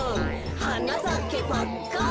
「はなさけパッカン！」